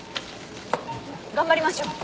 頑張りましょう。